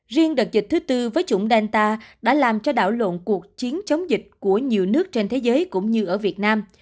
riêng đợt dịch thứ tư với chủng delta đã làm cho đảo lộn cuộc chiến chống dịch của nhiều nước trên thế giới cũng như ở việt nam